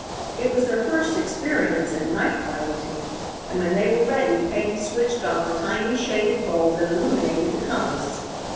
It was their first experience in night piloting, and when they were ready Peggy switched on the tiny shaded bulb that illuminated the compass.